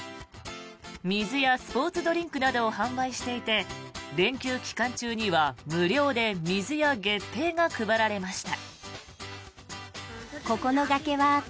水やスポーツドリンクなどを販売していて連休期間中には無料で水や月餅が配られました。